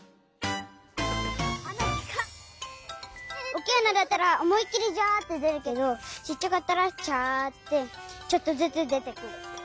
おっきいあなだったらおもいっきりジャってでるけどちっちゃかったらチャってちょっとずつでてくる。